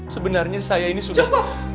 sebenarnya saya ini sudah